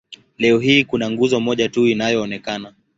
Leo hii kuna nguzo moja tu inayoonekana.